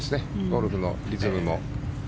ゴルフのリズムも。